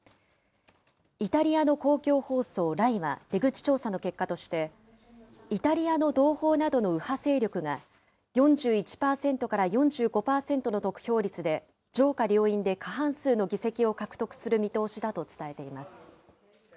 イタリアの公共放送、ＲＡＩは、出口調査の結果として、イタリアの同胞などの右派勢力が４１％から４５％の得票率で上下両院で過半数の議席を獲得する見通しだと伝えています。